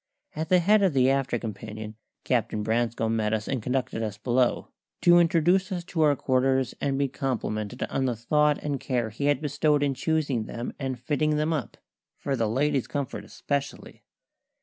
At the head of the after companion Captain Branscome met us and conducted us below, to introduce us to our quarters and be complimented on the thought and care he had bestowed in choosing them and fitting them up for the ladies' comfort especially.